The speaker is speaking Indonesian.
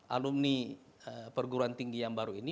alumni perguruan tinggi yang baru ini